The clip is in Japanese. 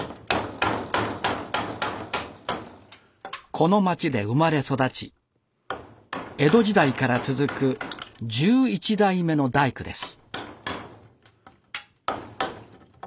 この町で生まれ育ち江戸時代から続く１１代目の大工です。